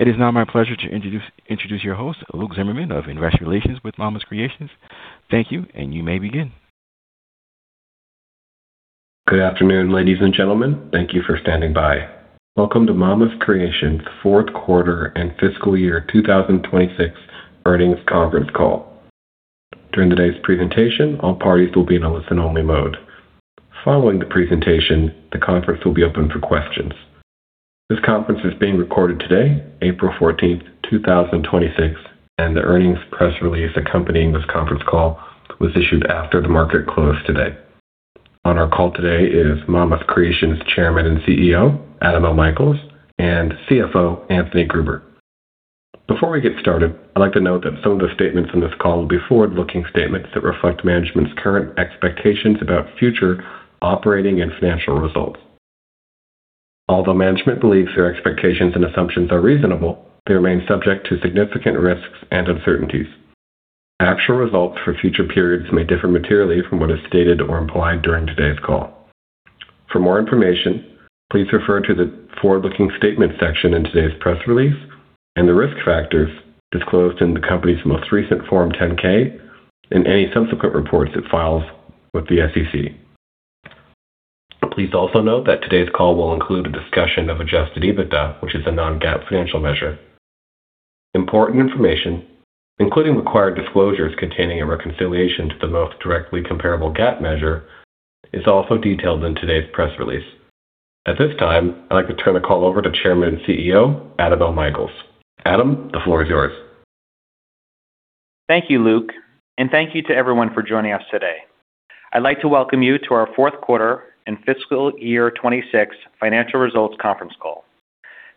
It is now my pleasure to introduce your host, Luke Zimmerman of Investor Relations with Mama's Creations. Thank you, and you may begin. Good afternoon, ladies and gentlemen. Thank you for standing by. Welcome to Mama's Creations' fourth quarter and fiscal year 2026 earnings conference call. During today's presentation, all parties will be in a listen-only mode. Following the presentation, the conference will be open for questions. This conference is being recorded today, April 14th, 2026, and the earnings press release accompanying this conference call was issued after the market close today. On our call today is Mama's Creations Chairman and CEO, Adam L. Michaels, and CFO, Anthony Gruber. Before we get started, I'd like to note that some of the statements on this call will be forward-looking statements that reflect management's current expectations about future operating and financial results. Although management believes their expectations and assumptions are reasonable, they remain subject to significant risks and uncertainties. Actual results for future periods may differ materially from what is stated or implied during today's call. For more information, please refer to the forward-looking statements section in today's press release and the risk factors disclosed in the company's most recent Form 10-K and any subsequent reports it files with the SEC. Please also note that today's call will include a discussion of Adjusted EBITDA, which is a non-GAAP financial measure. Important information, including required disclosures containing a reconciliation to the most directly comparable GAAP measure, is also detailed in today's press release. At this time, I'd like to turn the call over to Chairman and CEO, Adam L. Michaels. Adam, the floor is yours. Thank you, Luke. Thank you to everyone for joining us today. I'd like to welcome you to our fourth quarter and fiscal year 2026 financial results conference call.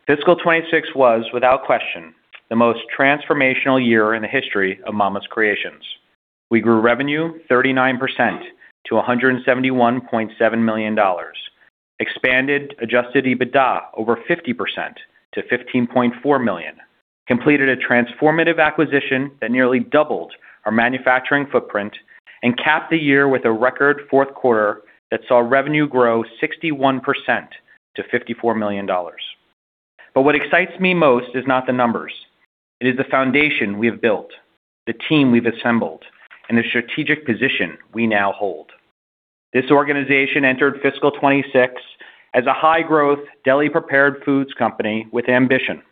Fiscal 2026 was, without question, the most transformational year in the history of Mama's Creations. We grew revenue 39% to $171.7 million, expanded adjusted EBITDA over 50% to $15.4 million, completed a transformative acquisition that nearly doubled our manufacturing footprint, and capped the year with a record fourth quarter that saw revenue grow 61% to $54 million. What excites me most is not the numbers. It is the foundation we have built, the team we've assembled, and the strategic position we now hold. This organization entered fiscal 2026 as a high-growth, deli-prepared foods company with ambition.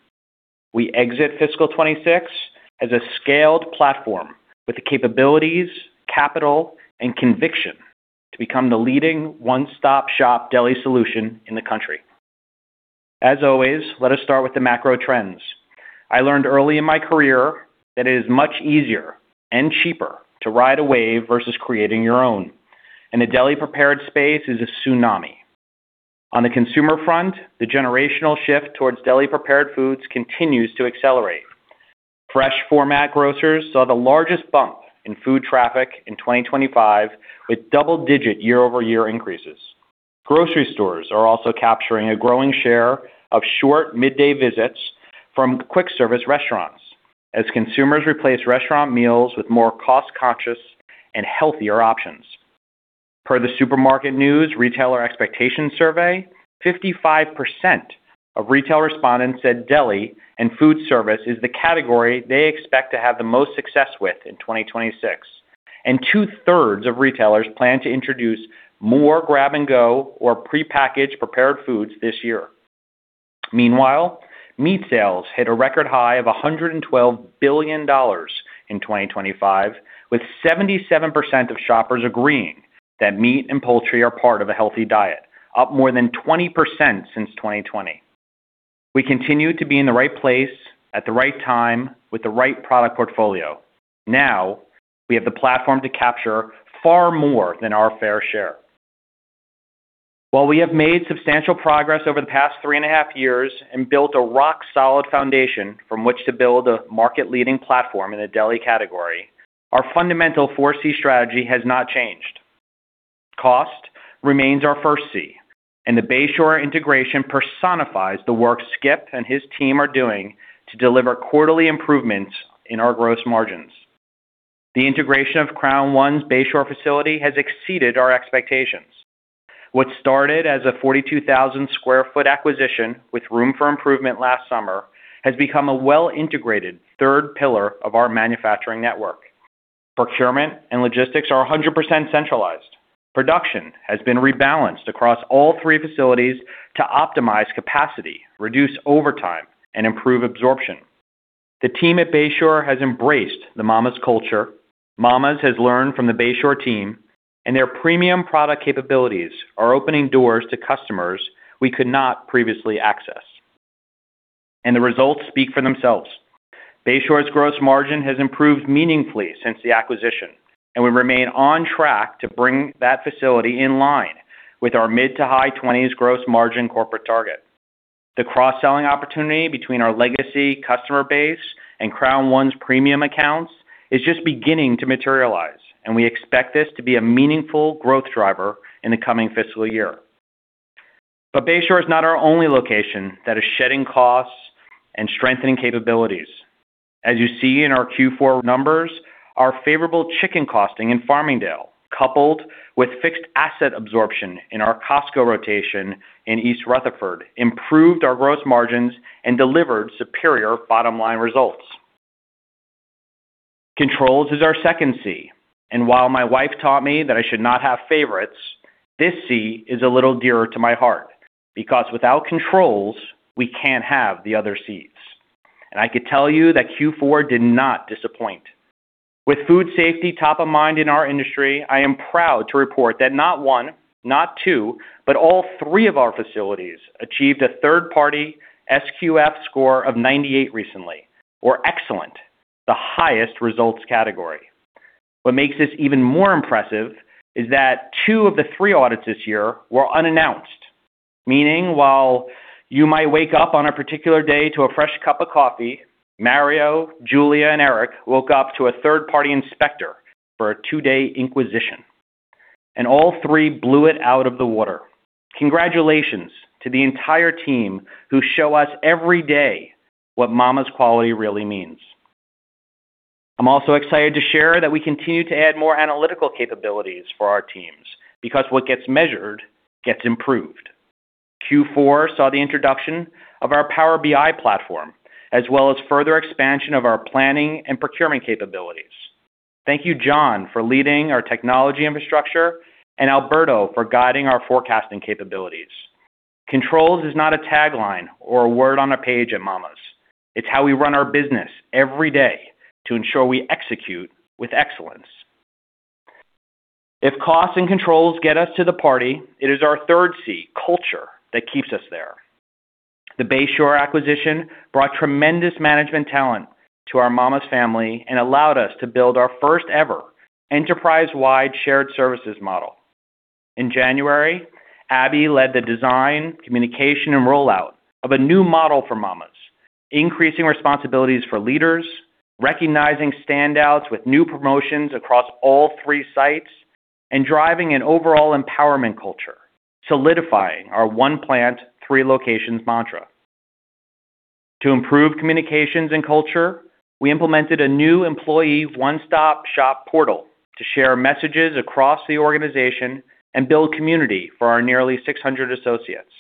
We exit fiscal 2026 as a scaled platform with the capabilities, capital, and conviction to become the leading one-stop-shop deli solution in the country. As always, let us start with the macro trends. I learned early in my career that it is much easier and cheaper to ride a wave versus creating your own, and the deli-prepared space is a tsunami. On the consumer front, the generational shift towards deli-prepared foods continues to accelerate. Fresh format grocers saw the largest bump in foot traffic in 2025 with double-digit year-over-year increases. Grocery stores are also capturing a growing share of short midday visits from quick-service restaurants as consumers replace restaurant meals with more cost-conscious and healthier options. Per the Supermarket News Retailer Expectations Survey, 55% of retail respondents said deli and food service is the category they expect to have the most success with in 2026, and two-thirds of retailers plan to introduce more grab-and-go or prepackaged prepared foods this year. Meanwhile, meat sales hit a record high of $112 billion in 2025, with 77% of shoppers agreeing that meat and poultry are part of a healthy diet, up more than 20% since 2020. We continue to be in the right place at the right time with the right product portfolio. Now, we have the platform to capture far more than our fair share. While we have made substantial progress over the past three and a half years and built a rock-solid foundation from which to build a market-leading platform in the deli category, our fundamental 4C strategy has not changed. Cost remains our first C, and the Bay Shore integration personifies the work Skip and his team are doing to deliver quarterly improvements in our gross margins. The integration of Crown 1's Bay Shore facility has exceeded our expectations. What started as a 42,000 sq ft acquisition with room for improvement last summer has become a well-integrated third pillar of our manufacturing network. Procurement and logistics are 100% centralized. Production has been rebalanced across all three facilities to optimize capacity, reduce overtime, and improve absorption. The team at Bay Shore has embraced the Mama's culture. Mama's has learned from the Bay Shore team, and their premium product capabilities are opening doors to customers we could not previously access. The results speak for themselves. Bay Shore's gross margin has improved meaningfully since the acquisition, and we remain on track to bring that facility in line with our mid- to high-20s gross margin corporate target. The cross-selling opportunity between our legacy customer base and Crown 1's premium accounts is just beginning to materialize, and we expect this to be a meaningful growth driver in the coming fiscal year. Bay Shore is not our only location that is shedding costs and strengthening capabilities. As you see in our Q4 numbers, our favorable chicken costing in Farmingdale, coupled with fixed asset absorption in our Costco rotation in East Rutherford, improved our gross margins and delivered superior bottom-line results. Controls is our second C, and while my wife taught me that I should not have favorites, this C is a little dearer to my heart, because without controls, we can't have the other Cs. I could tell you that Q4 did not disappoint. With food safety top of mind in our industry, I am proud to report that not one, not two, but all three of our facilities achieved a third-party SQF score of 98 recently, or Excellent, the highest results category. What makes this even more impressive is that two of the three audits this year were unannounced, meaning while you might wake up on a particular day to a fresh cup of coffee, Mario, Julia, and Eric woke up to a third-party inspector for a two-day inquisition, and all three blew it out of the water. Congratulations to the entire team who show us every day what Mama's quality really means. I'm also excited to share that we continue to add more analytical capabilities for our teams, because what gets measured get improved. Q4 saw the introduction of our Power BI platform, as well as further expansion of our planning and procurement capabilities. Thank you, John, for leading our technology infrastructure, and Alberto for guiding our forecasting capabilities. Controls is not a tagline or a word on a page at Mama's. It's how we run our business every day to ensure we execute with excellence. If costs and controls get us to the party, it is our third C, culture, that keeps us there. The Bay Shore acquisition brought tremendous management talent to our Mama's family and allowed us to build our first-ever enterprise-wide shared services model. In January, Abby led the design, communication, and rollout of a new model for Mama's, increasing responsibilities for leaders, recognizing standouts with new promotions across all three sites, and driving an overall empowerment culture, solidifying our "one plant, three locations" mantra. To improve communications and culture, we implemented a new employee one-stop-shop portal to share messages across the organization and build community for our nearly 600 associates.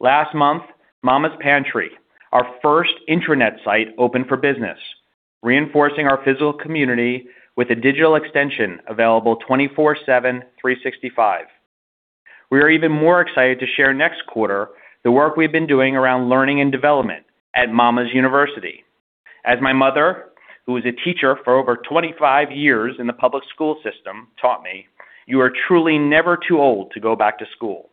Last month, Mama's Pantry, our first intranet site, opened for business, reinforcing our physical community with a digital extension available 24/7, 365. We are even more excited to share next quarter the work we've been doing around learning and development at Mama's University. As my mother, who was a teacher for over 25 years in the public school system, taught me, you are truly never too old to go back to school.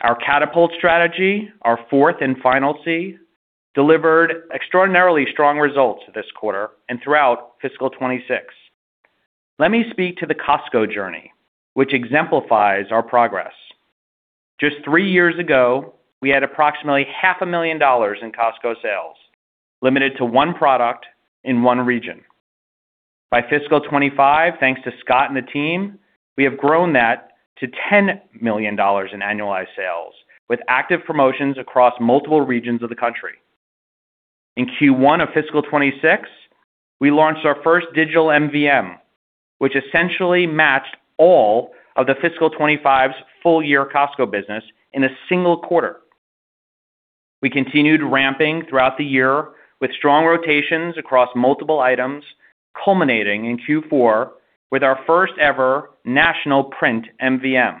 Our catapult strategy, our fourth and final C, delivered extraordinarily strong results this quarter and throughout fiscal 2026. Let me speak to the Costco journey, which exemplifies our progress. Just three years ago, we had approximately half a million dollars in Costco sales, limited to one product in one region. By fiscal 2025, thanks to Scott and the team, we have grown that to $10 million in annualized sales, with active promotions across multiple regions of the country. In Q1 of fiscal 2026, we launched our first digital MVM, which essentially matched all of the fiscal 2025's full year Costco business in a single quarter. We continued ramping throughout the year with strong rotations across multiple items, culminating in Q4 with our first-ever national print MVM,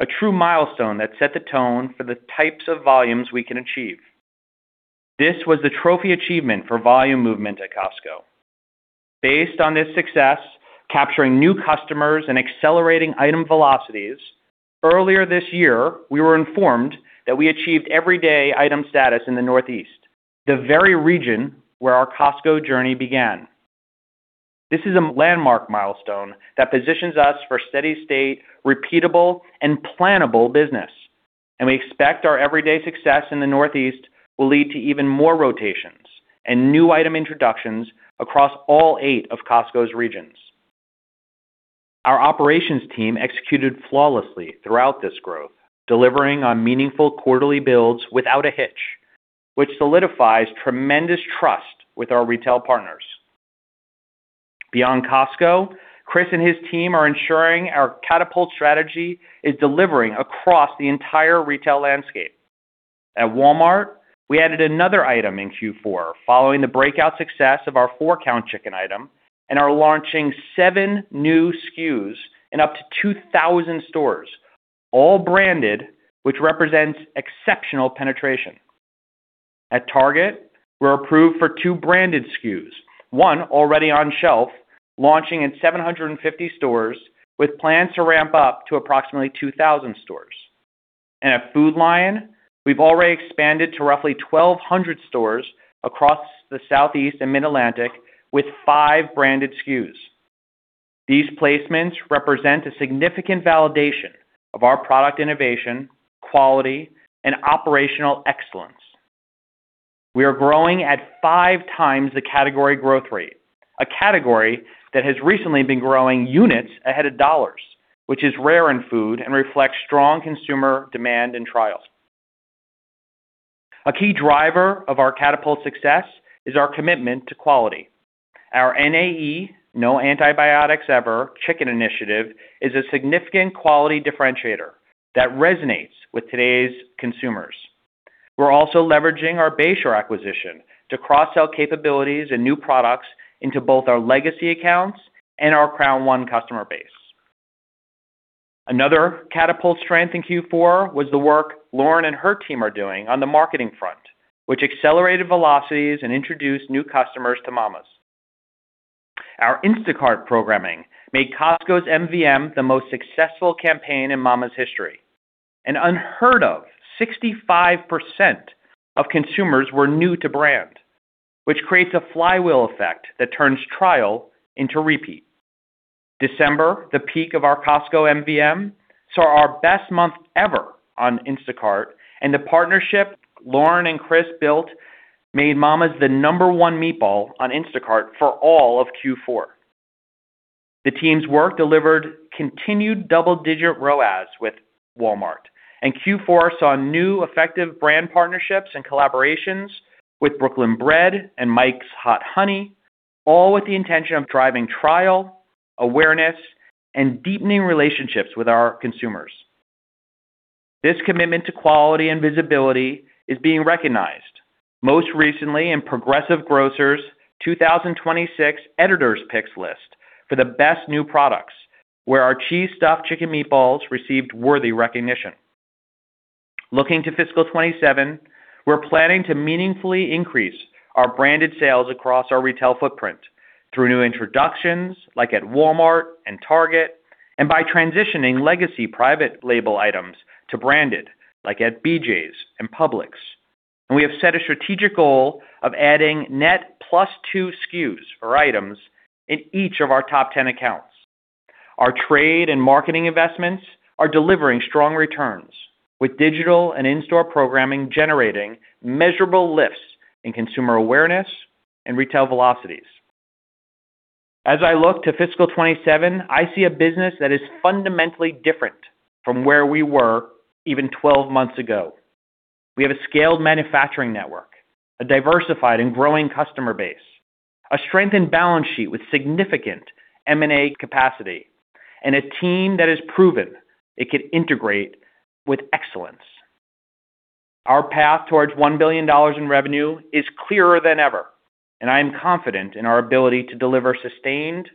a true milestone that set the tone for the types of volumes we can achieve. This was the trophy achievement for volume movement at Costco. Based on this success, capturing new customers and accelerating item velocities, earlier this year, we were informed that we achieved everyday item status in the Northeast, the very region where our Costco journey began. This is a landmark milestone that positions us for steady-state, repeatable, and plannable business, and we expect our everyday success in the Northeast will lead to even more rotations and new item introductions across all eight of Costco's regions. Our operations team executed flawlessly throughout this growth, delivering on meaningful quarterly builds without a hitch, which solidifies tremendous trust with our retail partners. Beyond Costco, Chris and his team are ensuring our catapult strategy is delivering across the entire retail landscape. At Walmart, we added another item in Q4 following the breakout success of our four-count chicken item and are launching seven new SKUs in up to 2,000 stores, all branded, which represents exceptional penetration. At Target, we're approved for two branded SKUs, one already on shelf, launching in 750 stores with plans to ramp up to approximately 2,000 stores. At Food Lion, we've already expanded to roughly 1,200 stores across the Southeast and Mid-Atlantic with five branded SKUs. These placements represent a significant validation of our product innovation, quality, and operational excellence. We are growing at five times the category growth rate, a category that has recently been growing units ahead of dollars, which is rare in food and reflects strong consumer demand and trials. A key driver of our Catapult success is our commitment to quality. Our NAE, No Antibiotics Ever chicken initiative is a significant quality differentiator that resonates with today's consumers. We're also leveraging our Bay Shore acquisition to cross-sell capabilities and new products into both our legacy accounts and our Crown 1 customer base. Another Catapult strength in Q4 was the work Lauren and her team are doing on the marketing front, which accelerated velocities and introduced new customers to Mama's. Our Instacart programming made Costco's MVM the most successful campaign in Mama's history. An unheard of 65% of consumers were new to brand, which creates a flywheel effect that turns trial into repeat. December, the peak of our Costco MVM, saw our best month ever on Instacart, and the partnership Lauren and Chris built made Mama's the number one meatball on Instacart for all of Q4. The team's work delivered continued double-digit ROAS with Walmart, and Q4 saw new effective brand partnerships and collaborations with Brooklyn Bred and Mike's Hot Honey, all with the intention of driving trial, awareness, and deepening relationships with our consumers. This commitment to quality and visibility is being recognized, most recently in Progressive Grocer's 2026 Editors' Picks list for the best new products, where our Cheese Stuffed Chicken Meatballs received worthy recognition. Looking to fiscal 2027, we're planning to meaningfully increase our branded sales across our retail footprint through new introductions like at Walmart and Target, and by transitioning legacy private label items to branded, like at BJ's and Publix. We have set a strategic goal of adding net +2 SKUs or items in each of our top 10 accounts. Our trade and marketing investments are delivering strong returns, with digital and in-store programming generating measurable lifts in consumer awareness and retail velocities. As I look to fiscal 2027, I see a business that is fundamentally different from where we were even 12 months ago. We have a scaled manufacturing network, a diversified and growing customer base, a strengthened balance sheet with significant M&A capacity, and a team that has proven it could integrate with excellence. Our path towards $1 billion in revenue is clearer than ever, and I am confident in our ability to deliver sustained,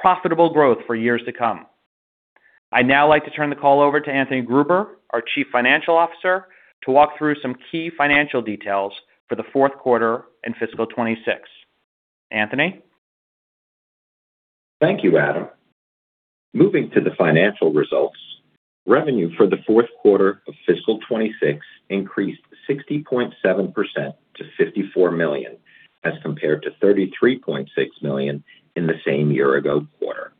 profitable growth for years to come. I'd now like to turn the call over to Anthony Gruber, our Chief Financial Officer, to walk through some key financial details for the fourth quarter and fiscal 2026. Anthony? Thank you, Adam. Moving to the financial results, revenue for the fourth quarter of fiscal 2026 increased 60.7% to $54 million as compared to $33.6 million in the same year-ago quarter.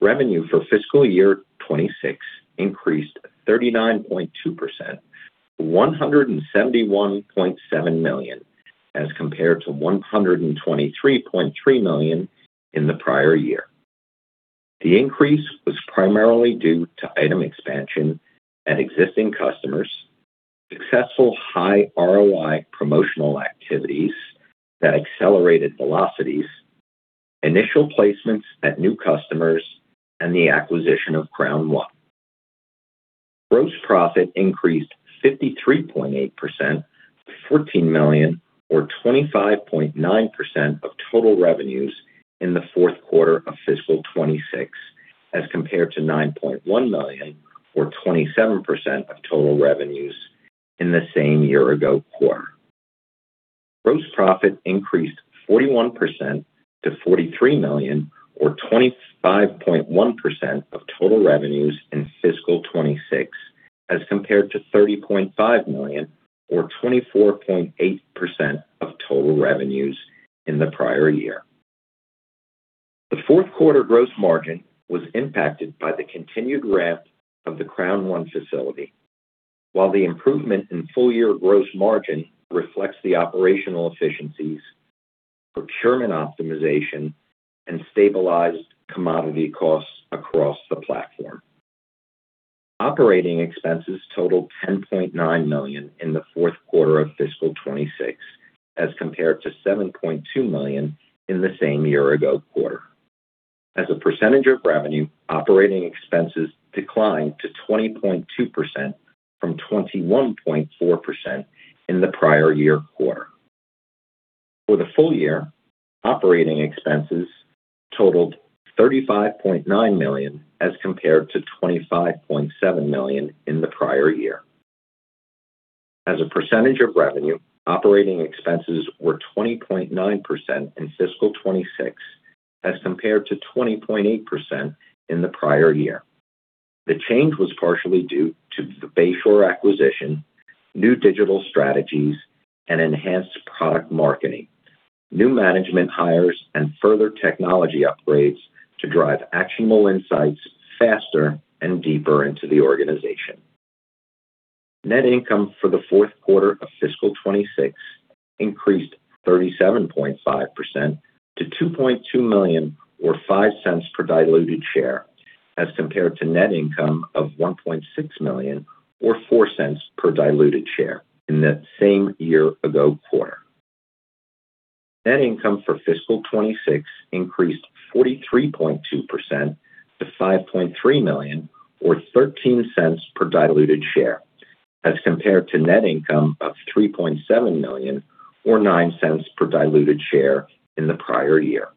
Revenue for fiscal year 2026 increased 39.2% to $171.7 million as compared to $123.3 million in the prior year. The increase was primarily due to item expansion at existing customers, successful high ROI promotional activities that accelerated velocities, initial placements at new customers, and the acquisition of Crown 1. Gross profit increased 53.8% to $14 million or 25.9% of total revenues in the fourth quarter of fiscal 2026 as compared to $9.1 million or 27% of total revenues in the same year-ago quarter. Gross profit increased 41% to $43 million or 25.1% of total revenues in fiscal 2026 as compared to $30.5 million or 24.8% of total revenues in the prior year. The fourth quarter gross margin was impacted by the continued ramp of the Crown 1 facility, while the improvement in full-year gross margin reflects the operational efficiencies, procurement optimization, and stabilized commodity costs across the platform. Operating expenses totaled $10.9 million in the fourth quarter of fiscal 2026 as compared to $7.2 million in the same year-ago quarter. As a percentage of revenue, operating expenses declined to 20.2% from 21.4% in the prior-year quarter. For the full year, operating expenses totaled $35.9 million as compared to $25.7 million in the prior year. As a percentage of revenue, operating expenses were 20.9% in fiscal 2026 as compared to 20.8% in the prior year. The change was partially due to the Bay Shore acquisition, new digital strategies, and enhanced product marketing, new management hires, and further technology upgrades to drive actionable insights faster and deeper into the organization. Net income for the fourth quarter of fiscal 2026 increased 37.5% to $2.2 million or $0.05 per diluted share as compared to net income of $1.6 million or $0.04 per diluted share in that same year-ago quarter. Net income for fiscal 2026 increased 43.2% to $5.3 million or $0.13 per diluted share. That's compared to net income of $3.7 million or $0.09 per diluted share in the prior year.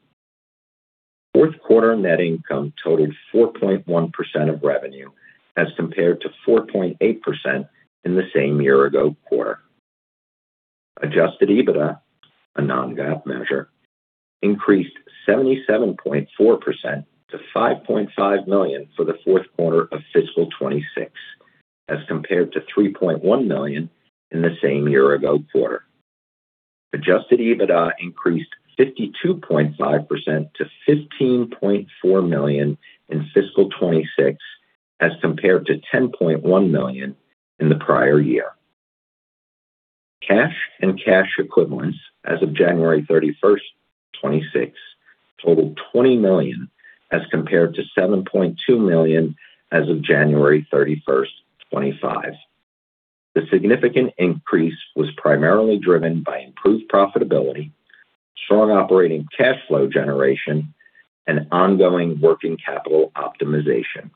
Fourth quarter net income totaled 4.1% of revenue, as compared to 4.8% in the same year-ago quarter. Adjusted EBITDA, a non-GAAP measure, increased 77.4% to $5.5 million for the fourth quarter of fiscal 2026, as compared to $3.1 million in the same year-ago quarter. Adjusted EBITDA increased 52.5% to $15.4 million in fiscal 2026, as compared to $10.1 million in the prior year. Cash and cash equivalents as of January 31st 2026 totaled $20 million, as compared to $7.2 million as of January 31st 2025. The significant increase was primarily driven by improved profitability, strong operating cash flow generation, and ongoing working capital optimization.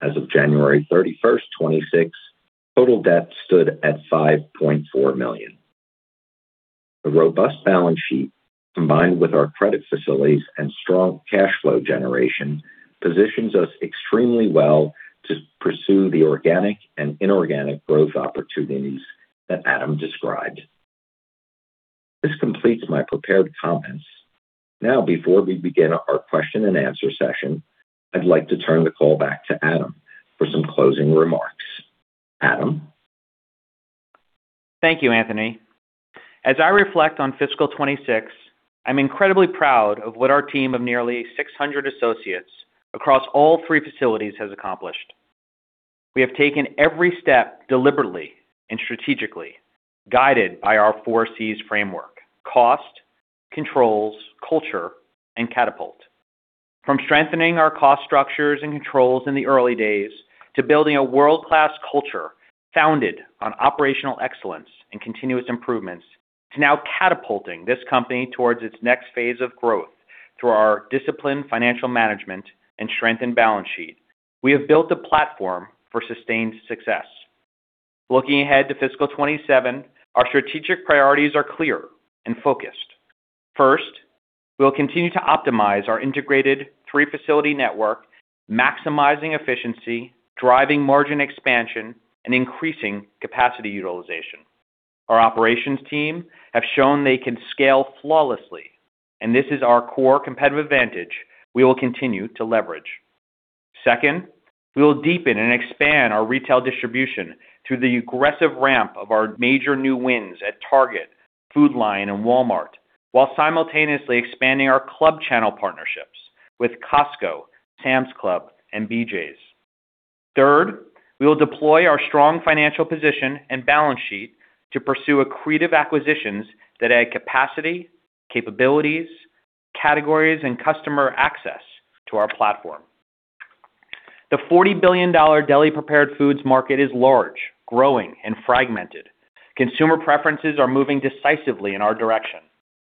As of January 31st 2026, total debt stood at $5.4 million. A robust balance sheet, combined with our credit facilities and strong cash flow generation, positions us extremely well to pursue the organic and inorganic growth opportunities that Adam described. This completes my prepared comments. Now, before we begin our question and answer session, I'd like to turn the call back to Adam for some closing remarks. Adam? Thank you, Anthony. As I reflect on fiscal 2026, I'm incredibly proud of what our team of nearly 600 associates across all three facilities has accomplished. We have taken every step deliberately and strategically, guided by our four Cs framework, cost, controls, culture, and catapult. From strengthening our cost structures and controls in the early days to building a world-class culture founded on operational excellence and continuous improvements to now catapulting this company towards its next phase of growth through our disciplined financial management and strengthened balance sheet, we have built a platform for sustained success. Looking ahead to fiscal 2027, our strategic priorities are clear and focused. First, we'll continue to optimize our integrated three-facility network, maximizing efficiency, driving margin expansion, and increasing capacity utilization. Our operations team have shown they can scale flawlessly, and this is our core competitive advantage we will continue to leverage. Second, we will deepen and expand our retail distribution through the aggressive ramp of our major new wins at Target, Food Lion, and Walmart, while simultaneously expanding our club channel partnerships with Costco, Sam's Club, and BJ's. Third, we will deploy our strong financial position and balance sheet to pursue accretive acquisitions that add capacity, capabilities, categories, and customer access to our platform. The 40 billion-dollar deli prepared foods market is large, growing, and fragmented. Consumer preferences are moving decisively in our direction.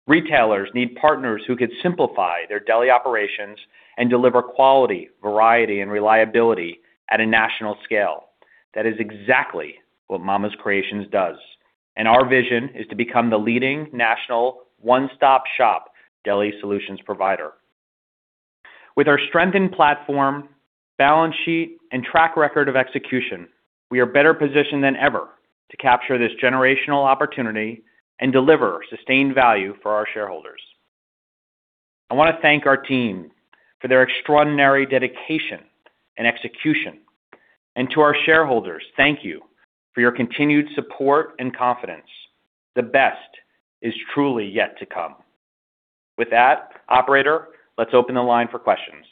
Retailers need partners who could simplify their deli operations and deliver quality, variety, and reliability at a national scale. That is exactly what Mama's Creations does, and our vision is to become the leading national one-stop shop deli solutions provider. With our strengthened platform, balance sheet, and track record of execution, we are better positioned than ever to capture this generational opportunity and deliver sustained value for our shareholders. I want to thank our team for their extraordinary dedication and execution. To our shareholders, thank you for your continued support and confidence. The best is truly yet to come. With that, operator, let's open the line for questions.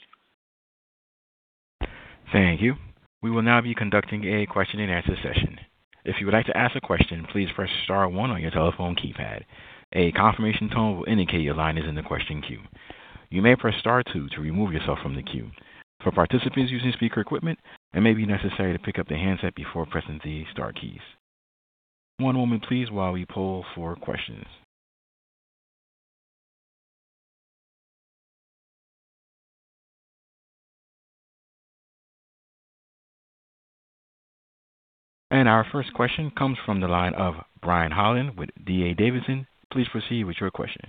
Thank you. We will now be conducting a question and answer session. If you would like to ask a question, please press star one on your telephone keypad. A confirmation tone will indicate your line is in the question queue. You may press star two to remove yourself from the queue. For participants using speaker equipment, it may be necessary to pick up the handset before pressing the star keys. One moment please while we poll for questions. Our first question comes from the line of Brian Holland with D.A. Davidson. Please proceed with your question.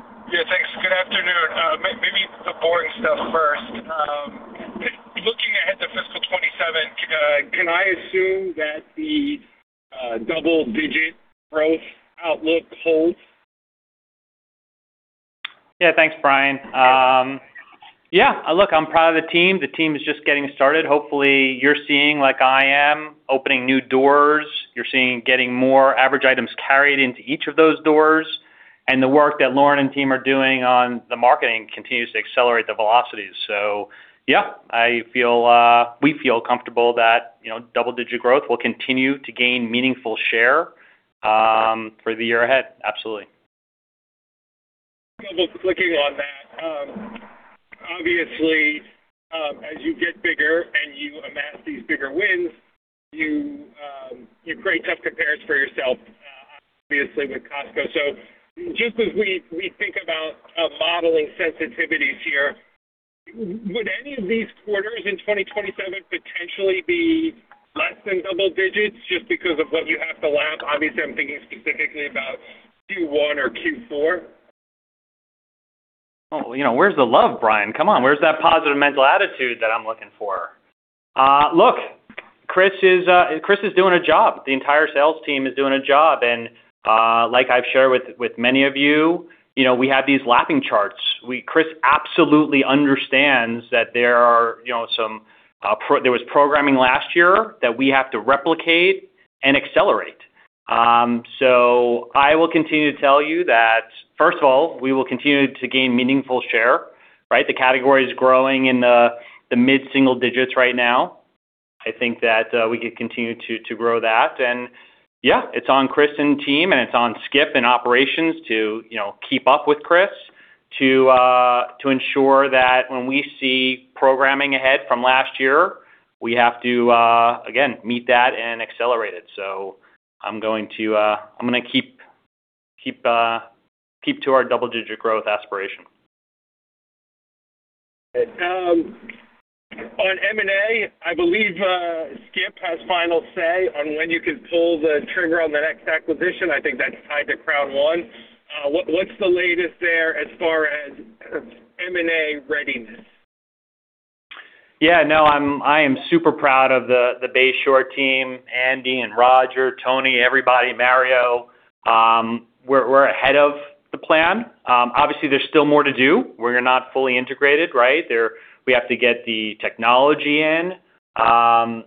Yeah, thanks. Good afternoon. Maybe the boring stuff first. Looking ahead to fiscal 2027, can I assume that the double-digit growth outlook holds? Yeah, thanks, Brian. Yeah. Look, I'm proud of the team. The team is just getting started. Hopefully, you're seeing, like I am, opening new doors. You're seeing getting more average items carried into each of those doors. The work that Lauren and team are doing on the marketing continues to accelerate the velocities. Yeah, we feel comfortable that double-digit growth will continue to gain meaningful share for the year ahead. Absolutely. Just clicking on that. Obviously, as you get bigger and you amass these bigger wins, you create tough compares for yourself, obviously with Costco. Just as we think about modeling sensitivities here, would any of these quarters in 2027 potentially be less than double digits just because of what you have to lap? Obviously, I'm thinking specifically about Q1 or Q4. Oh, where's the love, Brian? Come on. Where's that positive mental attitude that I'm looking for? Look, Chris is doing a job. The entire sales team is doing a job. Like I've shared with many of you, we have these lapping charts. Chris absolutely understands that there was programming last year that we have to replicate and accelerate. I will continue to tell you that, first of all, we will continue to gain meaningful share, right? The category is growing in the mid-single digits right now. I think that we could continue to grow that. Yeah, it's on Chris and team, and it's on Skip and operations to keep up with Chris to ensure that when we see programming ahead from last year, we have to, again, meet that and accelerate it. I'm going to keep to our double-digit growth aspiration. On M&A, I believe Skip has final say on when you can pull the trigger on the next acquisition. I think that's tied to Crown 1. What's the latest there as far as M&A readiness? Yeah. No, I am super proud of the Bay Shore team, Andy and Roger, Tony, everybody, Mario. We're ahead of the plan. Obviously, there's still more to do. We're not fully integrated, right? We have to get the technology in. I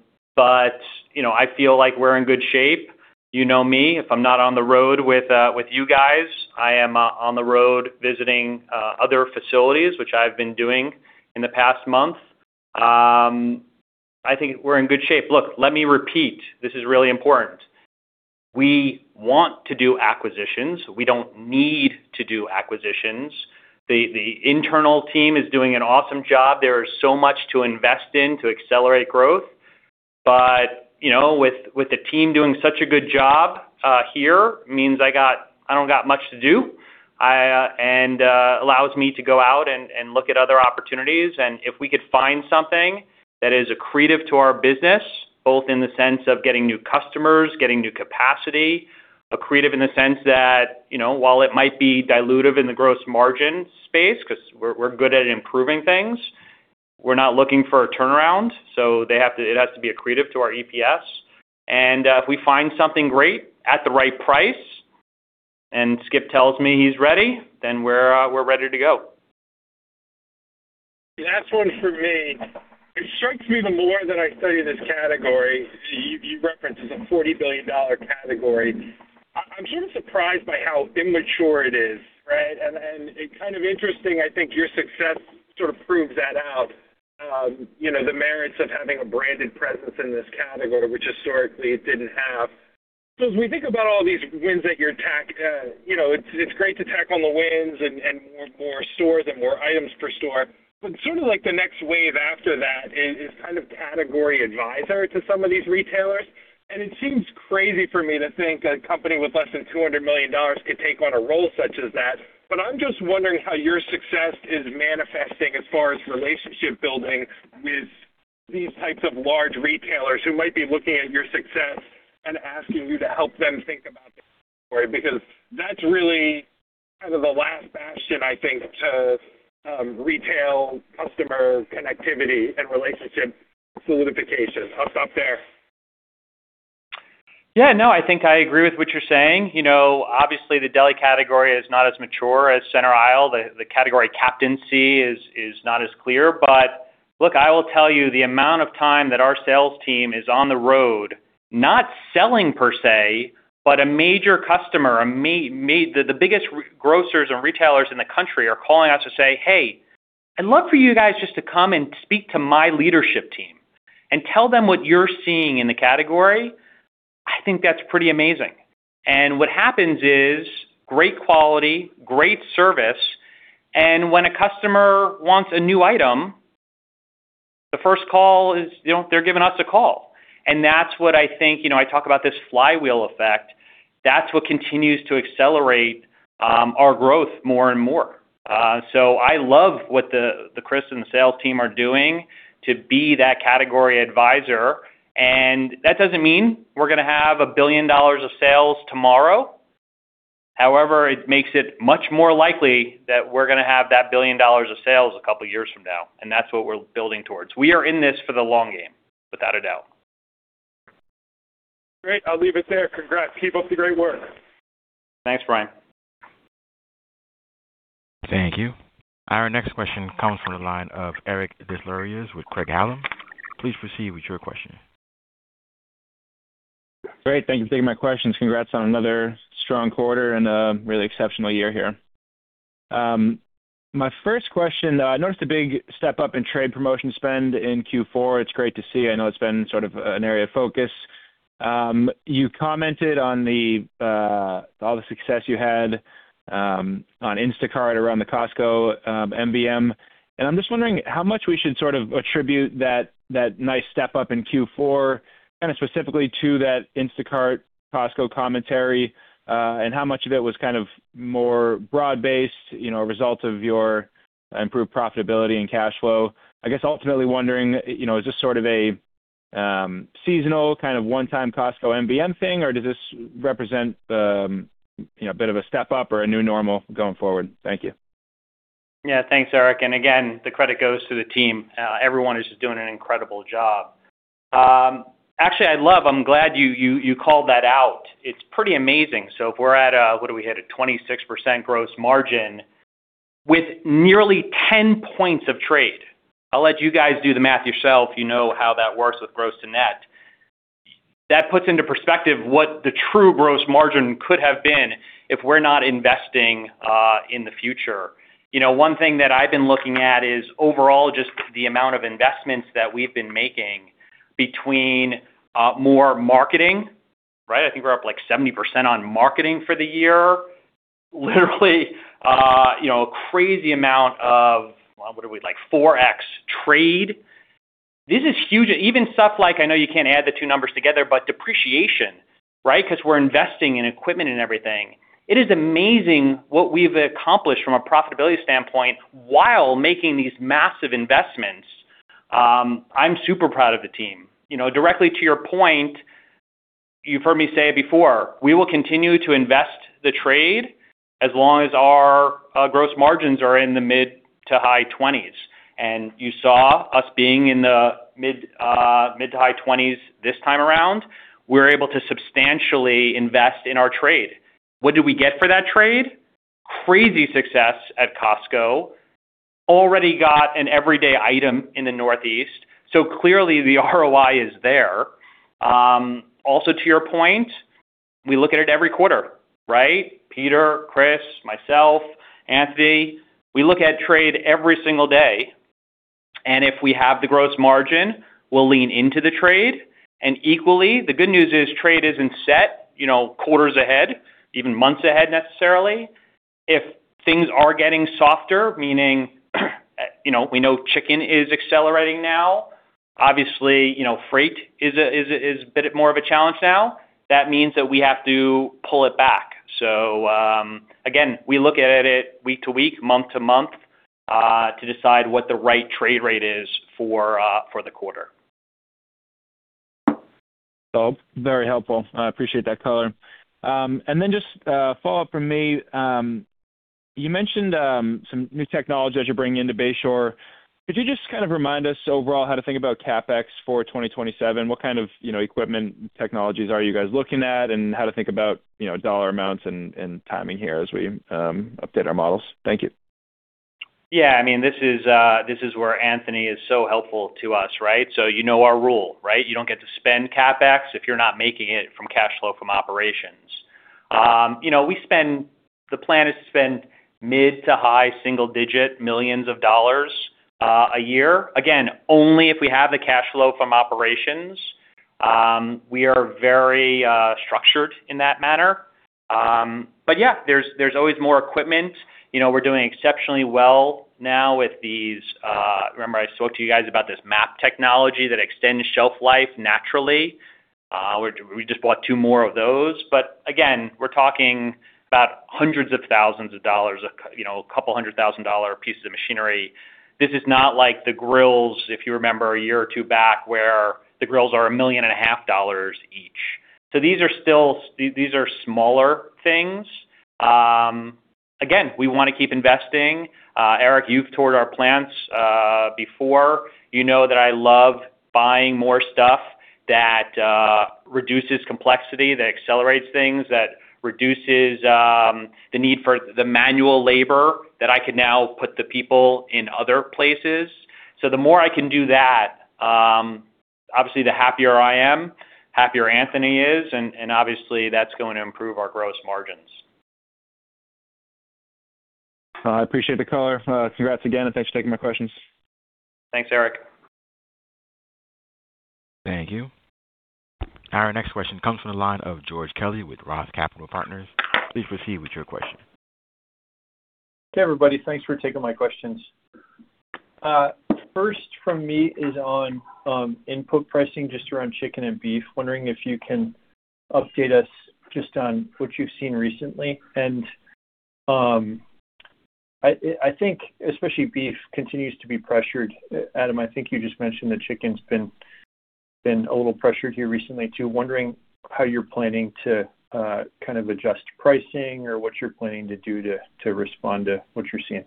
feel like we're in good shape. You know me. If I'm not on the road with you guys, I am on the road visiting other facilities, which I've been doing in the past month. I think we're in good shape. Look, let me repeat. This is really important. We want to do acquisitions. We don't need to do acquisitions. The internal team is doing an awesome job. There is so much to invest in to accelerate growth. With the team doing such a good job here, means I don't got much to do and allows me to go out and look at other opportunities. If we could find something that is accretive to our business, both in the sense of getting new customers, getting new capacity, accretive in the sense that while it might be dilutive in the gross margin space, because we're good at improving things, we're not looking for a turnaround, so it has to be accretive to our EPS. If we find something great at the right price and Skip tells me he's ready, then we're ready to go. Last one from me. It strikes me, the more that I study this category, you referenced it's a $40 billion category. I'm sort of surprised by how immature it is, right? It's kind of interesting. I think your success sort of proves that out, the merits of having a branded presence in this category, which historically it didn't have. As we think about all these wins that you attack, it's great to tack on the wins and more stores and more items per store. Sort of like the next wave after that is kind of category advisor to some of these retailers. It seems crazy for me to think a company with less than $200 million could take on a role such as that. I'm just wondering how your success is manifesting as far as relationship building with these types of large retailers who might be looking at your success and asking you to help them think about the category, because that's really kind of the last bastion, I think, to retail customer connectivity and relationship solidification. How's that there? Yeah, no, I think I agree with what you're saying. Obviously, the deli category is not as mature as center aisle. The category captaincy is not as clear. Look, I will tell you, the amount of time that our sales team is on the road, not selling per se, but the biggest grocers and retailers in the country are calling us to say, "Hey, I'd love for you guys just to come and speak to my leadership team and tell them what you're seeing in the category." I think that's pretty amazing. What happens is great quality, great service, and when a customer wants a new item, the first call is they're giving us a call. That's what I think. I talk about this flywheel effect. That's what continues to accelerate our growth more and more. I love what Chris and the sales team are doing to be that category advisor. That doesn't mean we're going to have $1 billion of sales tomorrow. However, it makes it much more likely that we're going to have that $1 billion of sales a couple of years from now, and that's what we're building towards. We are in this for the long game, without a doubt. Great. I'll leave it there. Congrats. Keep up the great work. Thanks, Brian. Thank you. Our next question comes from the line of Eric Des Lauriers with Craig-Hallum. Please proceed with your question. Great. Thank you for taking my questions. Congrats on another strong quarter and a really exceptional year here. My first question, I noticed a big step up in trade promotion spend in Q4. It's great to see. I know it's been sort of an area of focus. You commented on all the success you had on Instacart around the Costco MVM, and I'm just wondering how much we should sort of attribute that nice step up in Q4, kind of specifically to that Instacart Costco commentary, and how much of it was kind of more broad-based, a result of your improved profitability and cash flow. I guess ultimately wondering, is this sort of a seasonal kind of one-time Costco MVM thing, or does this represent the bit of a step up or a new normal going forward? Thank you. Yeah. Thanks, Eric. Again, the credit goes to the team. Everyone is just doing an incredible job. Actually, I'm glad you called that out. It's pretty amazing. If we're at, what are we hit at, 26% gross margin with nearly 10 points of trade? I'll let you guys do the math yourself. You know how that works with gross to net. That puts into perspective what the true gross margin could have been if we're not investing in the future. One thing that I've been looking at is overall, just the amount of investments that we've been making between more marketing, right? I think we're up like 70% on marketing for the year, literally crazy amount of, what are we, like 4x trade. This is huge, even stuff like, I know you can't add the two numbers together, but depreciation, right? Because we're investing in equipment and everything, it is amazing what we've accomplished from a profitability standpoint while making these massive investments. I'm super proud of the team. Directly to your point, you've heard me say it before. We will continue to invest the trade as long as our gross margins are in the mid- to high 20s. You saw us being in the mid- to high 20s this time around. We're able to substantially invest in our trade. What did we get for that trade? Crazy success at Costco. We already got an everyday item in the Northeast, so clearly the ROI is there. Also, to your point, we look at it every quarter, right? Peter, Chris, myself, Anthony, we look at trade every single day, and if we have the gross margin, we'll lean into the trade. Equally, the good news is trade isn't set quarters ahead, even months ahead, necessarily. If things are getting softer, meaning we know chicken is accelerating now, obviously, freight is a bit more of a challenge now. That means that we have to pull it back. Again, we look at it week to week, month to month, to decide what the right trade rate is for the quarter. Very helpful. I appreciate that color. Just a follow-up from me. You mentioned some new technology as you're bringing into Bay Shore. Could you just kind of remind us overall how to think about CapEx for 2027? What kind of equipment and technologies are you guys looking at, and how to think about dollar amounts and timing here as we update our models? Thank you. Yeah. This is where Anthony is so helpful to us, right? You know our rule, right? You don't get to spend CapEx if you're not making it from cash flow from operations. The plan is to spend mid- to high-single-digit millions of dollars a year, again, only if we have the cash flow from operations. We are very structured in that manner. Yeah, there's always more equipment. We're doing exceptionally well now. Remember I spoke to you guys about this MAP technology that extends shelf life naturally? We just bought two more of those. Again, we're talking about hundreds of thousands of dollars, a couple hundred thousand dollar pieces of machinery. This is not like the grills, if you remember, a year or two back, where the grills are a million and a half dollars each. These are smaller things. Again, we want to keep investing. Eric, you've toured our plants before. You know that I love buying more stuff that reduces complexity, that accelerates things, that reduces the need for the manual labor, that I can now put the people in other places. The more I can do that, obviously the happier I am, the happier Anthony is, and obviously that's going to improve our gross margins. I appreciate the color. Congrats again, and thanks for taking my questions. Thanks, Eric. Thank you. Our next question comes from the line of George Kelly with ROTH Capital Partners. Please proceed with your question. Hey, everybody. Thanks for taking my questions. First from me is on input pricing just around chicken and beef. Wondering if you can update us just on what you've seen recently. I think especially beef continues to be pressured. Adam, I think you just mentioned that chicken's been a little pressured here recently too. Wondering how you're planning to kind of adjust pricing or what you're planning to do to respond to what you're seeing.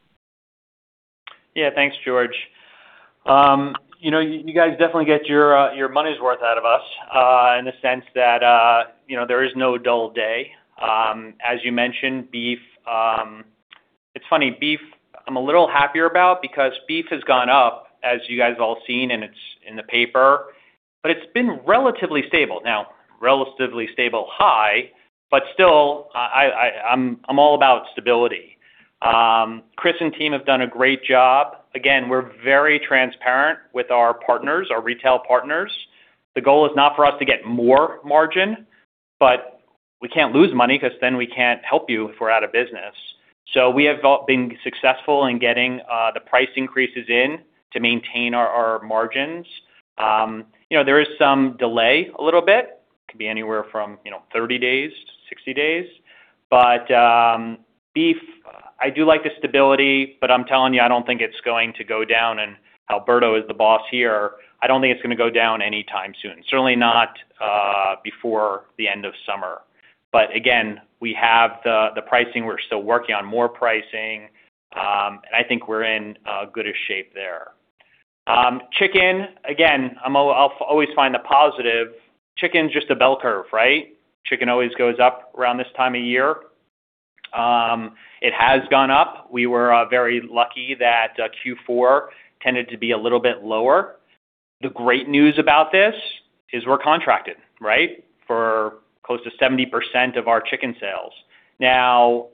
Yeah. Thanks, George. You guys definitely get your money's worth out of us, in the sense that there is no dull day. As you mentioned, it's funny, beef I'm a little happier about, because beef has gone up, as you guys have all seen, and it's in the paper. It's been relatively stable, now relatively stable high, but still, I'm all about stability. Chris and team have done a great job. Again, we're very transparent with our partners, our retail partners. The goal is not for us to get more margin, but we can't lose money because then we can't help you if we're out of business. We have been successful in getting the price increases in to maintain our margins. There is some delay, a little bit. It could be anywhere from 30 days-60 days. Beef, I do like the stability, but I'm telling you, I don't think it's going to go down, and Alberto is the boss here. I don't think it's going to go down anytime soon, certainly not before the end of summer. Again, we have the pricing. We're still working on more pricing. I think we're in good a shape there. Chicken, again, I'll always find the positive. Chicken's just a bell curve, right? Chicken always goes up around this time of year. It has gone up. We were very lucky that Q4 tended to be a little bit lower. The great news about this is we're contracted, right, for close to 70% of our chicken sales. Now,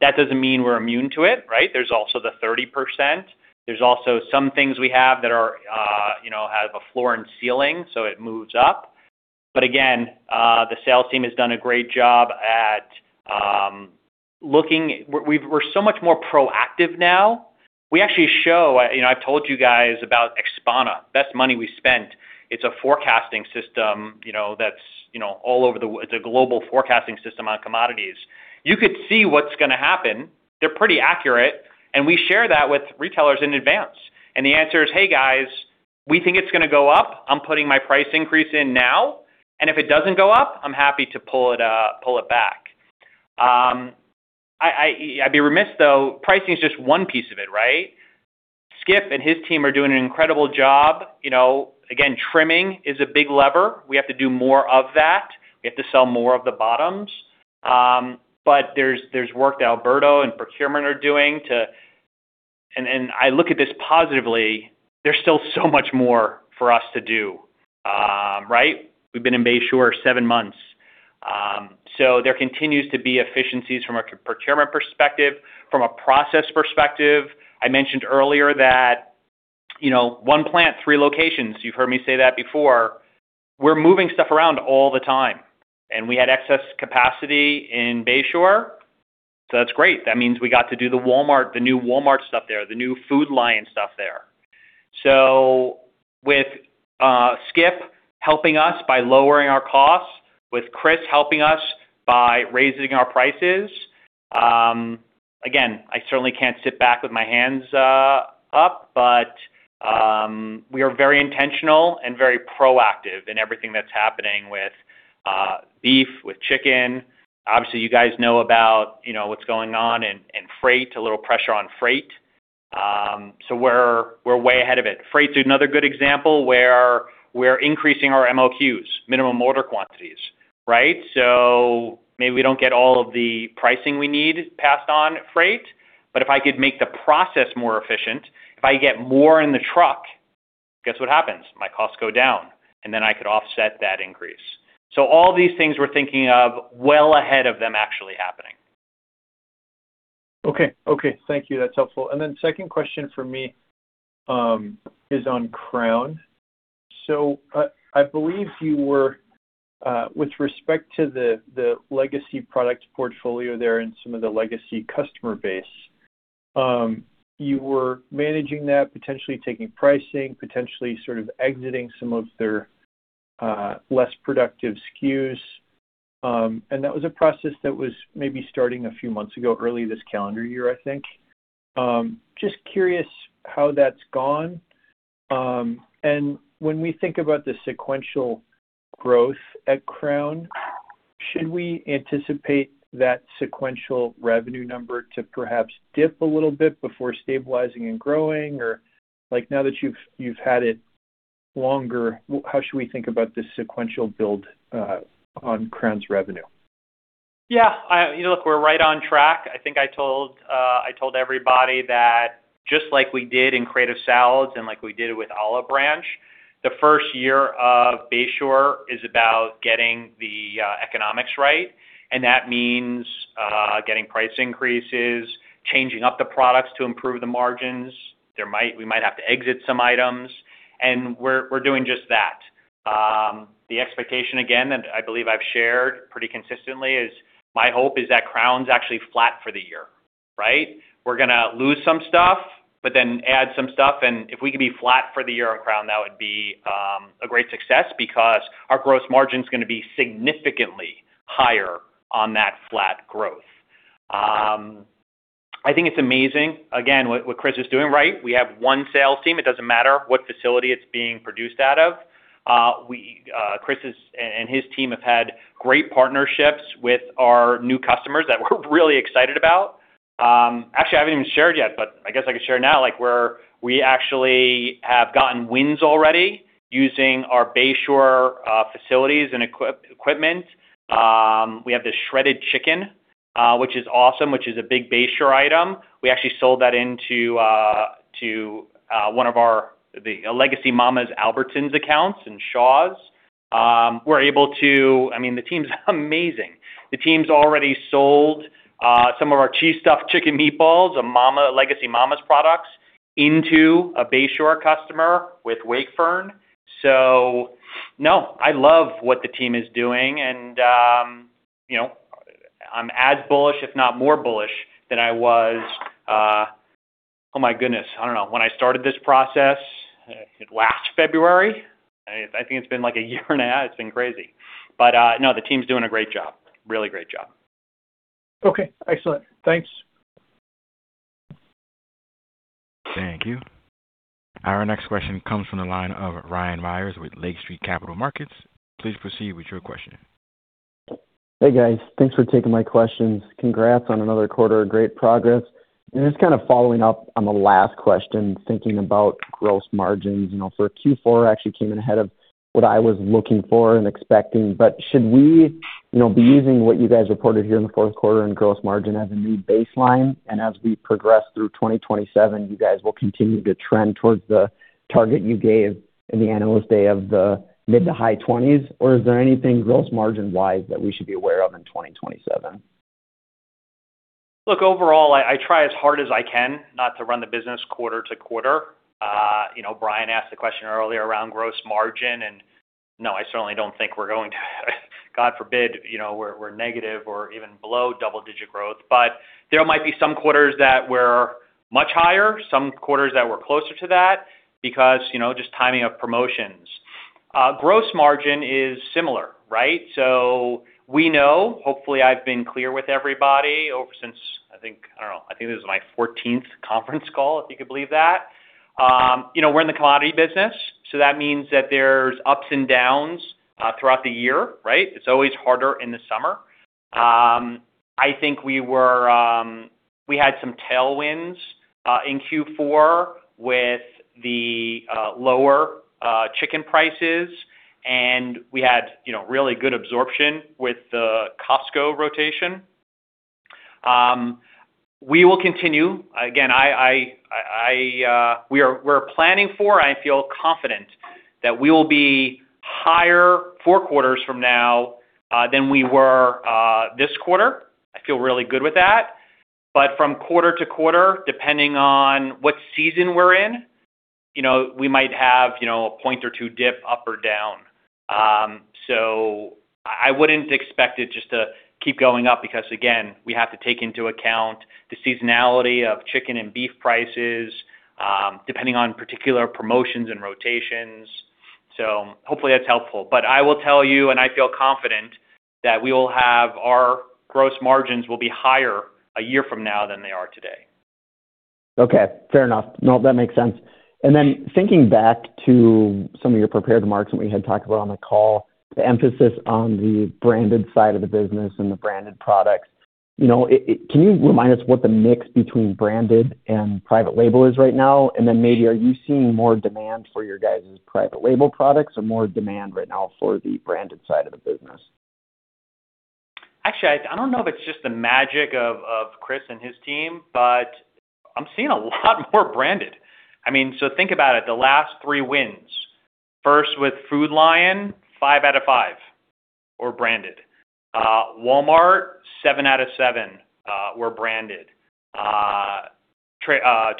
that doesn't mean we're immune to it, right? There's also the 30%. There's also some things we have that have a floor and ceiling, so it moves up. Again, the sales team has done a great job. We're so much more proactive now. I've told you guys about Expana. Best money we spent. It's a global forecasting system on commodities. You could see what's going to happen. They're pretty accurate. We share that with retailers in advance. The answer is, "Hey, guys, we think it's going to go up. I'm putting my price increase in now, and if it doesn't go up, I'm happy to pull it back." I'd be remiss, though. Pricing is just one piece of it, right? Skip and his team are doing an incredible job. Again, trimming is a big lever. We have to do more of that. We have to sell more of the bottoms. There's work that Alberto and procurement are doing, and I look at this positively. There's still so much more for us to do. Right? We've been in Bay Shore seven months. There continues to be efficiencies from a procurement perspective, from a process perspective. I mentioned earlier that one plant, three locations. You've heard me say that before. We're moving stuff around all the time, and we had excess capacity in Bay Shore. That's great. That means we got to do the new Walmart stuff there, the new Food Lion stuff there. With Skip helping us by lowering our costs, with Chris helping us by raising our prices, again, I certainly can't sit back with my hands up. We are very intentional and very proactive in everything that's happening with beef, with chicken. Obviously, you guys know about what's going on in freight, a little pressure on freight. We're way ahead of it. Freight is another good example where we're increasing our MOQs, minimum order quantities. Right? Maybe we don't get all of the pricing we need passed on freight, but if I could make the process more efficient, if I get more in the truck, guess what happens? My costs go down, and then I could offset that increase. All these things we're thinking of well ahead of them actually happening. Okay. Thank you. That's helpful. Second question for me is on Crown. I believe you were, with respect to the legacy product portfolio there and some of the legacy customer base, you were managing that, potentially taking pricing, potentially sort of exiting some of their less productive SKUs. That was a process that was maybe starting a few months ago, early this calendar year, I think. Just curious how that's gone. When we think about the sequential growth at Crown, should we anticipate that sequential revenue number to perhaps dip a little bit before stabilizing and growing? Now that you've had it longer, how should we think about this sequential build on Crown's revenue? Yeah. Look, we're right on track. I think I told everybody that just like we did in Creative Salads and like we did it with Olive Branch, the first year of Bay Shore is about getting the economics right, and that means getting price increases, changing up the products to improve the margins. We might have to exit some items, and we're doing just that. The expectation, again, that I believe I've shared pretty consistently is my hope is that Crown's actually flat for the year. Right? We're going to lose some stuff but then add some stuff, and if we can be flat for the year on Crown, that would be a great success because our gross margin is going to be significantly higher on that flat growth. I think it's amazing, again, what Chris is doing. We have one sales team. It doesn't matter what facility it's being produced out of. Chris and his team have had great partnerships with our new customers that we're really excited about. Actually, I haven't even shared yet, but I guess I could share now. We actually have gotten wins already using our Bay Shore facilities and equipment. We have the shredded chicken, which is awesome, which is a big Bay Shore item. We actually sold that into one of our legacy Mama's Albertsons accounts in Shaw's. I mean, the team's amazing. The team's already sold some of our Cheese Stuffed Chicken Meatballs, a legacy Mama's products, into a Bay Shore customer with Wakefern. No, I love what the team is doing, and I'm as bullish, if not more bullish than I was. Oh, my goodness. I don't know. When I started this process last February. I think it's been like a year and a half. It's been crazy. No, the team's doing a great job, really great job. Okay, excellent. Thanks. Thank you. Our next question comes from the line of Ryan Meyers with Lake Street Capital Markets. Please proceed with your question. Hey, guys. Thanks for taking my questions. Congrats on another quarter of great progress. Just kind of following up on the last question, thinking about gross margins, Q4 actually came in ahead of what I was looking for and expecting. Should we be using what you guys reported here in the fourth quarter and gross margin as a new baseline? As we progress through 2027, you guys will continue to trend towards the target you gave in the Analyst Day of the mid to high 20s? Is there anything gross margin-wise that we should be aware of in 2027? Look, overall, I try as hard as I can not to run the business quarter to quarter. Brian asked the question earlier around gross margin, and no, I certainly don't think we're going to God forbid, we're negative or even below double-digit growth. But there might be some quarters that were much higher, some quarters that were closer to that because, just timing of promotions. Gross margin is similar, right? So we know, hopefully, I've been clear with everybody ever since, I think... I don't know. I think this is my 14th conference call, if you could believe that. We're in the commodity business, so that means that there's ups and downs throughout the year, right? It's always harder in the summer. I think we had some tailwinds in Q4 with the lower chicken prices, and we had really good absorption with the Costco rotation. We will continue. Again, I feel confident that we will be higher four quarters from now than we were this quarter. I feel really good with that. From quarter to quarter, depending on what season we're in, we might have a point or two dip up or down. I wouldn't expect it just to keep going up because, again, we have to take into account the seasonality of chicken and beef prices, depending on particular promotions and rotations. Hopefully that's helpful. I will tell you, and I feel confident that our gross margins will be higher a year from now than they are today. Okay, fair enough. No, that makes sense. Thinking back to some of your prepared remarks that we had talked about on the call, the emphasis on the branded side of the business and the branded products, can you remind us what the mix between branded and private label is right now? Maybe are you seeing more demand for your guys' private label products or more demand right now for the branded side of the business? Actually, I don't know if it's just the magic of Chris and his team, but I'm seeing a lot more branded. Think about it, the last three wins. First with Food Lion, five out of five were branded. Walmart, seven out of seven were branded.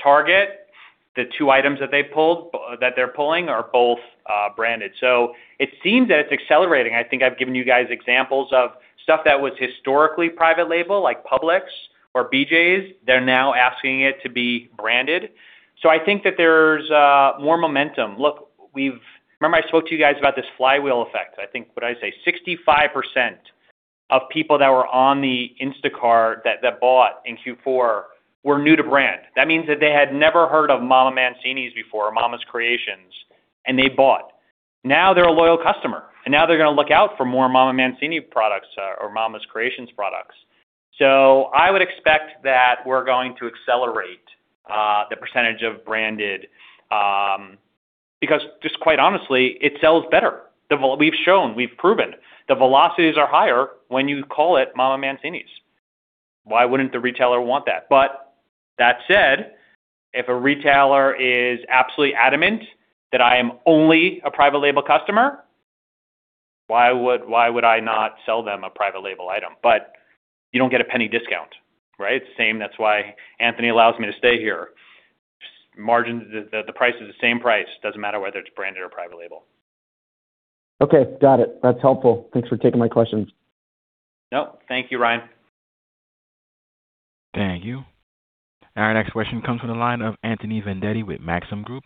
Target, the two items that they're pulling are both branded. It seems that it's accelerating. I think I've given you guys examples of stuff that was historically private label, like Publix or BJ's. They're now asking it to be branded. I think that there's more momentum. Look, remember I spoke to you guys about this flywheel effect. I think, what'd I say? 65% of people that were on the Instacart that bought in Q4 were new to brand. That means that they had never heard of Mama Mancini's before or Mama's Creations, and they bought. Now they're a loyal customer, and now they're going to look out for more Mama Mancini's products or Mama's Creations products. I would expect that we're going to accelerate the percentage of branded, because just quite honestly, it sells better. We've shown, we've proven the velocities are higher when you call it Mama Mancini's. Why wouldn't the retailer want that? That said, if a retailer is absolutely adamant that I am only a private label customer, why would I not sell them a private label item? You don't get a penny discount, right? Same. That's why Anthony allows me to stay here. The price is the same price. Doesn't matter whether it's branded or private label. Okay, got it. That's helpful. Thanks for taking my questions. Nope. Thank you, Ryan. Thank you. Our next question comes from the line of Anthony Vendetti with Maxim Group.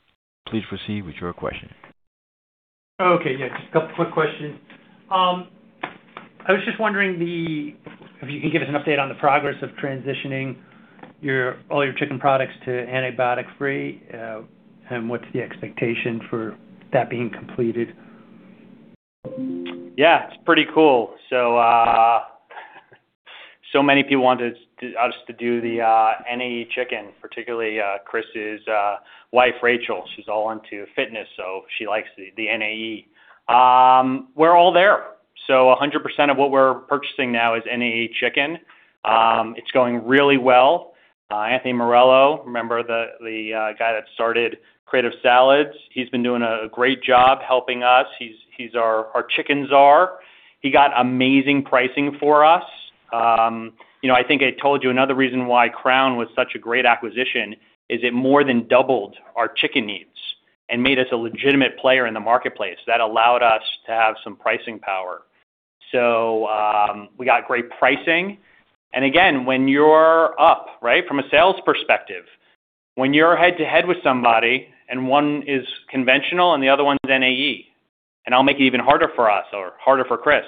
Please proceed with your question. Okay. Yeah, just a couple quick questions. I was just wondering if you can give us an update on the progress of transitioning all your chicken products to antibiotic-free. What's the expectation for that being completed? Yeah, it's pretty cool. Many people wanted us to do the NAE chicken, particularly Chris's wife, Rachel. She's all into fitness, so she likes the NAE. We're all there. 100% of what we're purchasing now is NAE chicken. It's going really well. Anthony Morello, remember the guy that started Creative Salads, he's been doing a great job helping us. He's our chicken tsar. He got amazing pricing for us. I think I told you another reason why Crown was such a great acquisition is it more than doubled our chicken needs and made us a legitimate player in the marketplace. That allowed us to have some pricing power. We got great pricing. And again, when you're up, right, from a sales perspective, when you're head to head with somebody and one is conventional and the other one's NAE, and I'll make it even harder for us or harder for Chris,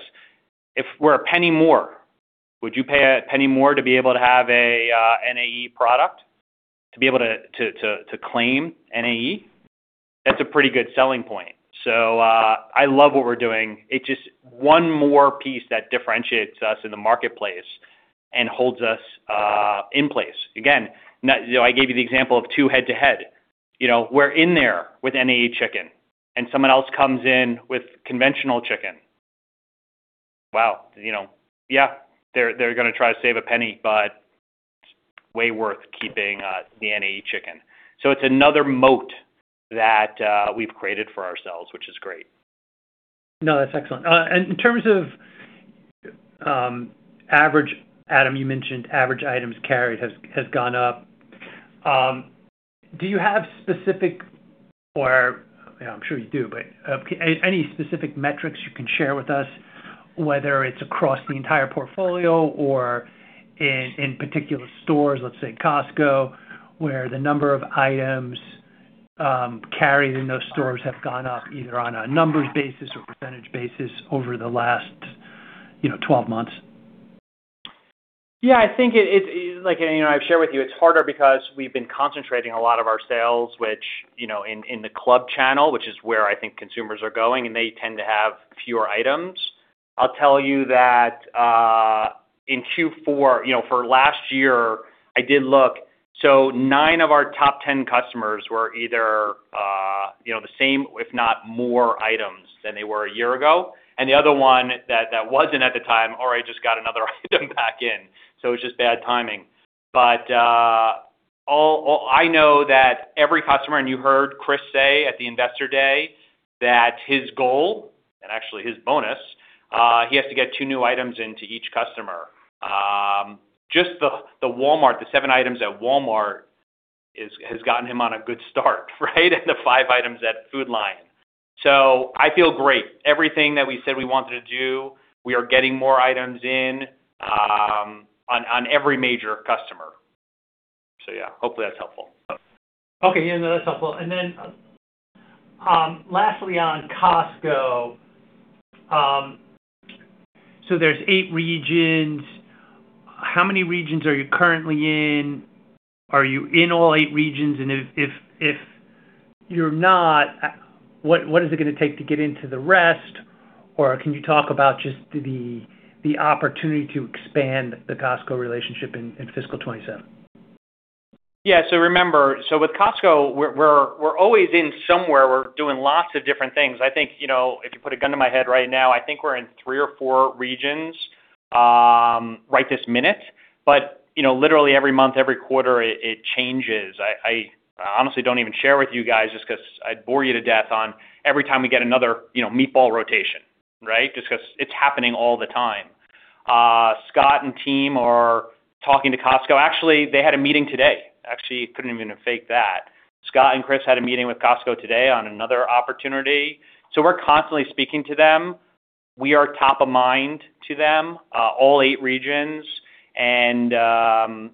if we're a penny more, would you pay a penny more to be able to have a NAE product, to be able to claim NAE? That's a pretty good selling point. So, I love what we're doing. It's just one more piece that differentiates us in the marketplace and holds us in place. Again, I gave you the example of two head to head. We're in there with NAE Chicken, and someone else comes in with conventional chicken. Wow. Yeah. They're going to try to save a penny, but it's way worth keeping the NAE chicken. So it's another moat that we've created for ourselves, which is great. No, that's excellent. In terms of average, Adam, you mentioned average items carried has gone up. I'm sure you do, but any specific metrics you can share with us, whether it's across the entire portfolio or in particular stores, let's say Costco, where the number of items carried in those stores have gone up either on a numbers basis or percentage basis over the last 12 months? Yeah, I think, like I've shared with you, it's harder because we've been concentrating a lot of our sales in the club channel, which is where I think consumers are going, and they tend to have fewer items. I'll tell you that in Q4, for last year, I did look. Nine of our top 10 customers were either the same, if not more items than they were a year ago. The other one that wasn't at the time already just got another item back in, so it was just bad timing. I know that every customer, and you heard Chris say at the Investor Day, that his goal, and actually his bonus, he has to get two new items into each customer. Just the seven items at Walmart has gotten him on a good start, right? The five items at Food Lion. I feel great. Everything that we said we wanted to do, we are getting more items in on every major customer. Yeah, hopefully that's helpful. Okay. Yeah, no, that's helpful. Lastly on Costco, there's eight regions. How many regions are you currently in? Are you in all eight regions? If you're not, what is it going to take to get into the rest? Can you talk about just the opportunity to expand the Costco relationship in fiscal 2027? Yeah. Remember, with Costco, we're always in somewhere. We're doing lots of different things. I think, if you put a gun to my head right now, I think we're in three or four regions right this minute. Literally every month, every quarter, it changes. I honestly don't even share with you guys just because I'd bore you to death on every time we get another meatball rotation, right, just because it's happening all the time. Scott and team are talking to Costco. Actually, they had a meeting today. Actually, I couldn't even fake that. Scott and Chris had a meeting with Costco today on another opportunity. We're constantly speaking to them. We are top of mind to them, all eight regions. Again, I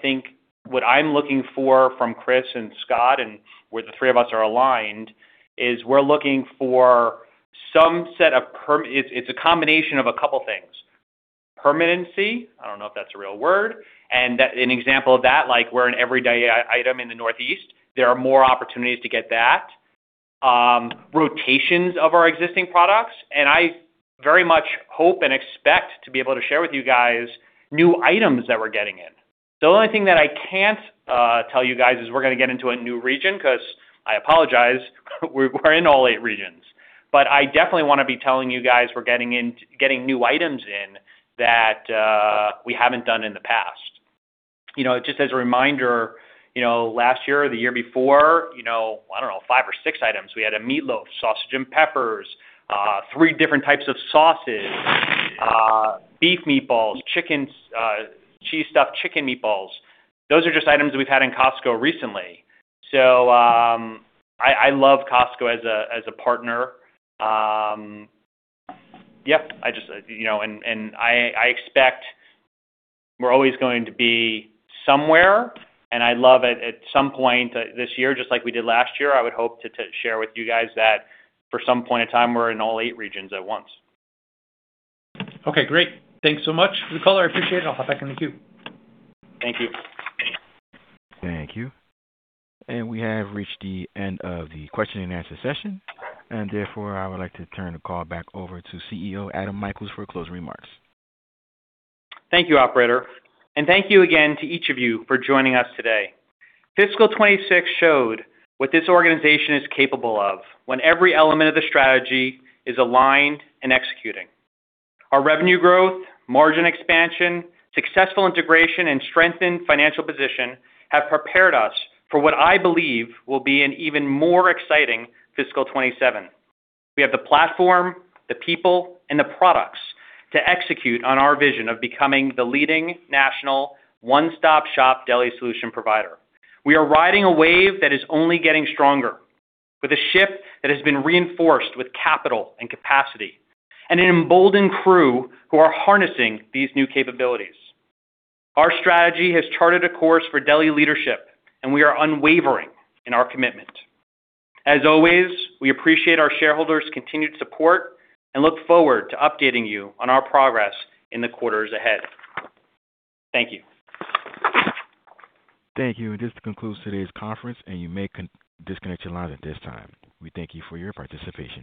think what I'm looking for from Chris and Scott and where the three of us are aligned is it's a combination of a couple things. Permanency, I don't know if that's a real word. An example of that, like we're an everyday item in the Northeast, there are more opportunities to get that, rotations of our existing products. I very much hope and expect to be able to share with you guys new items that we're getting in. The only thing that I can't tell you guys is we're going to get into a new region because, I apologize, we're in all 8 regions. I definitely want to be telling you guys we're getting new items in that we haven't done in the past. Just as a reminder, last year or the year before, I don't know, five or six items. We had a meatloaf, sausage and peppers, three different types of sauces, beef meatballs, Cheese Stuffed Chicken Meatballs. Those are just items that we've had in Costco recently. I love Costco as a partner. Yep. I expect we're always going to be somewhere, and I'd love it at some point this year, just like we did last year, I would hope to share with you guys that for some point in time, we're in all eight regions at once. Okay, great. Thanks so much for the call. I appreciate it. I'll hop back in the queue. Thank you. Thank you. We have reached the end of the question and answer session, and therefore, I would like to turn the call back over to CEO Adam L. Michaels for closing remarks. Thank you, operator. Thank you again to each of you for joining us today. Fiscal 2026 showed what this organization is capable of when every element of the strategy is aligned and executing. Our revenue growth, margin expansion, successful integration, and strengthened financial position have prepared us for what I believe will be an even more exciting Fiscal 2027. We have the platform, the people, and the products to execute on our vision of becoming the leading national one-stop shop deli solution provider. We are riding a wave that is only getting stronger with a ship that has been reinforced with capital and capacity and an emboldened crew who are harnessing these new capabilities. Our strategy has charted a course for deli leadership, and we are unwavering in our commitment. As always, we appreciate our shareholders' continued support and look forward to updating you on our progress in the quarters ahead. Thank you. Thank you. This concludes today's conference, and you may disconnect your line at this time. We thank you for your participation.